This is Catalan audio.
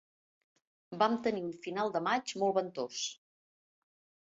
Vam tenir un final de maig molt ventós.